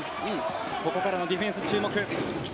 ここからのディフェンス注目。